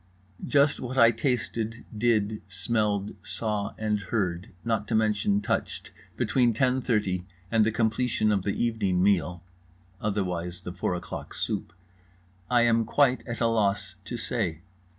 Just what I tasted, did, smelled, saw, and heard, not to mention touched, between ten thirty and the completion of the evening meal (otherwise the four o'clock soup) I am quite at a loss to say.